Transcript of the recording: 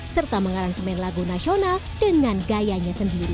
serta mengarang semen lagu nasional dengan gayanya sendiri